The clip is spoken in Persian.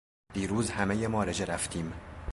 دیروز همهٔ ما رژه رفتیم.